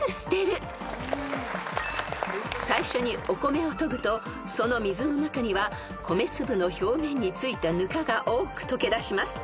［最初にお米をとぐとその水の中には米粒の表面に付いたぬかが多く溶け出します］